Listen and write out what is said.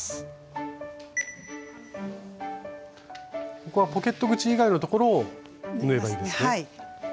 ここはポケット口以外のところを縫えばいいですね。